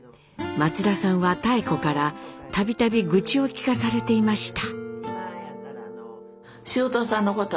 松田さんは妙子から度々愚痴を聞かされていました。